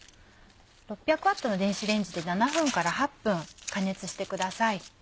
６００Ｗの電子レンジで７分から８分加熱してください。